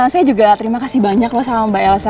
saya juga terima kasih banyak loh sama mbak elsa